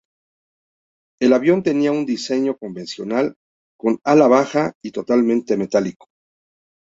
El avión tenía un diseño convencional, con ala baja y totalmente metálico.